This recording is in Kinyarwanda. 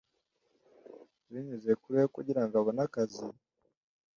Binyuze kuri we kugirango abone akazi